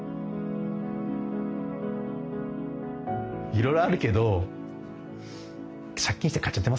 いろいろあるけど借金して買っちゃってますからね。